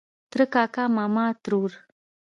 ترۀ کاکا ماما ترور